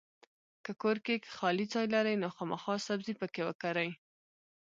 کۀ کور کې خالي ځای لرئ نو خامخا سبزي پکې وکرئ!